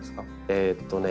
えっとね